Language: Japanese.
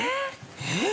えっ！